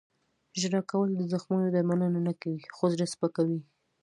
• ژړا کول د زخمونو درملنه نه کوي، خو زړه سپکوي.